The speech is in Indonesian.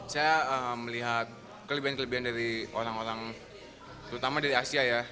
saya melihat kelebihan kelebihan dari orang orang terutama dari asia ya